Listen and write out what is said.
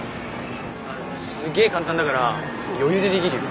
すげえ簡単だから余裕でできるよ。